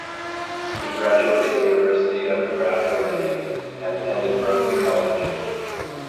He graduated University of Nebraska-Lincoln and attended Berklee College.